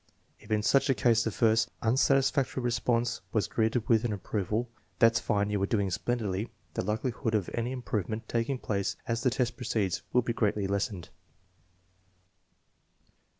If in such a case the first (unsatisfactory) re sponse were greeted with an approving " That's fine, you are doing splendidly," the likelihood of any improvement taking place as the test proceeds would be greatly lessened.